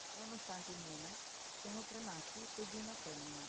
Nonostante il nome, sono tre maschi ed una femmina.